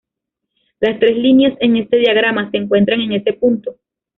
Las tres líneas en este diagrama se encuentran en ese punto.